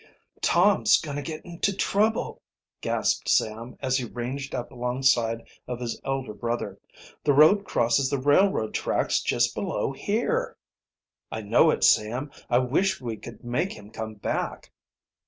"Tom's going to get into trouble," gasped Sam, as he ranged up alongside of his elder brother. "The road crosses the railroad tracks just below here." "I know it, Sam. I wish we could make him come back."